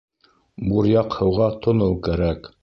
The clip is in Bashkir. Буръяҡ һыуға тоноу кәрәк.